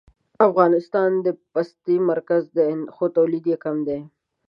افغانستان د پستې مرکز دی خو تولید یې کم دی